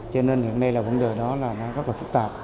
cho nên hiện nay là vấn đề đó là nó rất là phức tạp